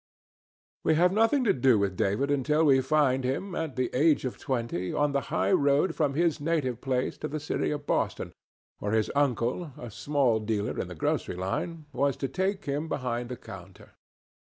We have nothing to do with David until we find him, at the age of twenty, on the high road from his native place to the city of Boston, where his uncle, a small dealer in the grocery line, was to take him behind the counter.